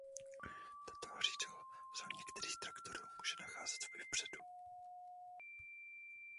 Tato hřídel se u některých traktorů může nacházet i vpředu.